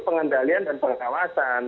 pengendalian dan pengkawasan